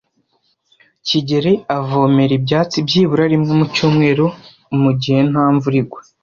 kigeli avomera ibyatsi byibura rimwe mu cyumweru mugihe nta mvura igwa.